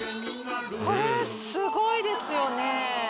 これすごいですよね。